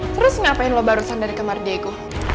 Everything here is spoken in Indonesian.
terus ngapain lo barusan dari kemar diego